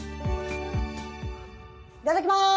いただきます！